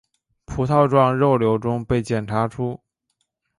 葡萄状肉瘤中被检查出。